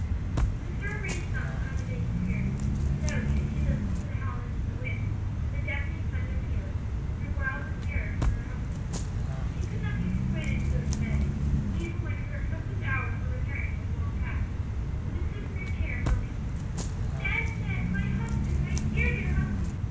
The storm raged on with unabated fury, and Zoe, as she listened to the howling of the wind and the deafening thunder peals, grew wild with terror for her husband. She could not be persuaded to go to bed, even when her accustomed hour for retiring was long past, but would sit in her chair, moaning, "O Ned! Ned! my husband, my dear, dear husband!